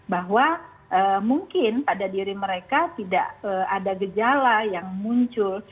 bahwa mungkin pada diri mereka tidak ada gejala yang muncul